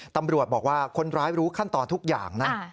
ตำรวจบอกว่าคนร้ายรู้ขั้นตอนทุกอย่างนะ